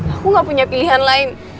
aku gak punya pilihan lain